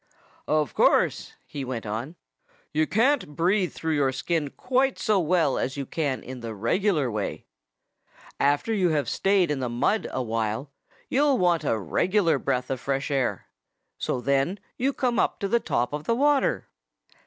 "Of course," he went on, "you can't breathe through your skin quite so well as you can in the regular way. After you have stayed in the mud a while, you'll begin to want a regular breath of fresh air. So then you come up to the top of the water."